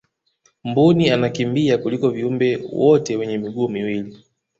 mbuni anakimbia kuliko viumbe wote wenye miguu miwili